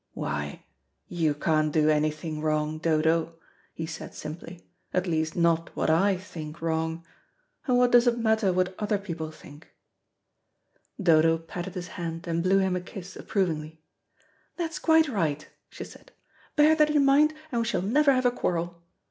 "Why, you can't do anything wrong, Dodo," he said simply; "at least not what I think wrong. And what does it matter what other people think?" Dodo patted his hand, and blew him a kiss approvingly. "That's quite right," she said; "bear that in mind and we shall never have a quarrel.